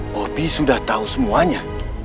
bobi sudah tahu semuanya